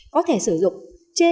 có thể sử dụng